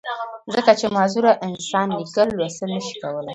ځکه چې معذوره انسان ليکل، لوستل نۀ شي کولی